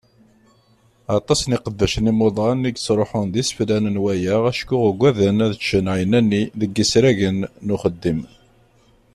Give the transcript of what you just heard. Aṭas n yiqeddacen imuḍan i yettruḥun d iseflan n waya acku uggaden ad ččen ɛinani deg yisragen n uxeddim.